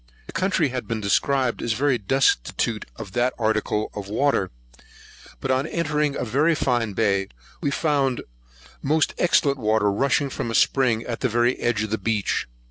The country had been described as very destitute of the article of water; but on entering a very fine bay, we found most excellent water rushing from a spring at the very edge of the beach.